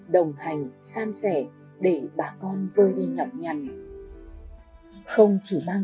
đồng hành san sẻ để bà con vơi đi nhậm nhằn